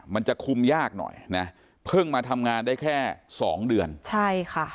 มันจะคุมยากหน่อยนะเพิ่งมาทำงานได้แค่สองเดือนใช่ค่ะ